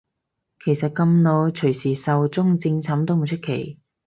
其實咁老隨時壽終正寢都唔出奇